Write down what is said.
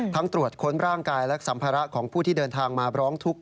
ตรวจค้นร่างกายและสัมภาระของผู้ที่เดินทางมาร้องทุกข์